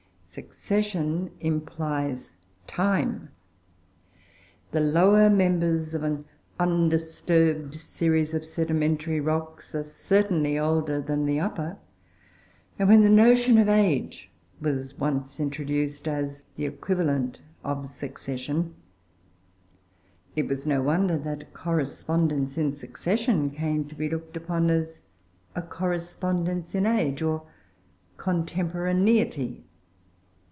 Succession implies time; the lower members of an undisturbed series of sedimentary rocks are certainly older than the upper; and when the notion of age was once introduced as the equivalent of succession, it was no wonder that correspondence in succession came to be looked upon as a correspondence in age, or "contemporaneity."